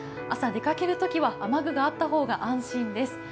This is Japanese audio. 朝出かけるときは雨具があった方が安心です。